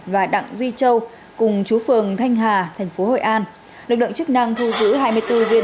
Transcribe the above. và đặng duy châu cùng chú phường thanh hà thành phố hội an lực lượng chức năng thu giữ hai mươi bốn viên